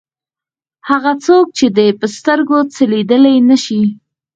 هغه څوک دی چې په سترګو څه لیدلی نه شي.